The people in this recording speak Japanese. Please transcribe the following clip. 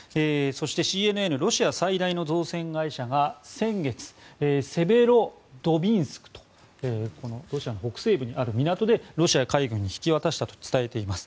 そして、ＣＮＮはロシア最大の造船会社が先月、セベロドビンスクとロシアの北西部にある港でロシア海軍に引き渡したとしています。